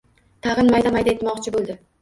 Tag‘in mayda-mayda etmoqchi bo‘ldi.